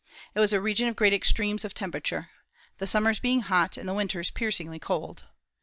It was a region of great extremes of temperature, the summers being hot, and the winters piercingly cold.